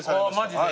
マジで？